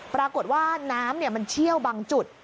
ปรากฏว่าน้ำมันเชี่ยวบางจุด